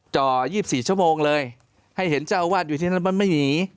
จ่อ๒๔ชั่วโมงเลยให้เห็นเจ้าอาวาสอยู่ที่นั้นมันไม่หนี